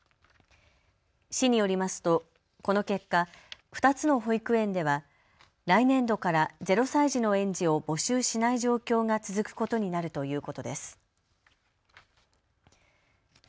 市によりますと、この結果２つの保育園では来年度から０歳児の園児を募集しない状況が続くことになるということです。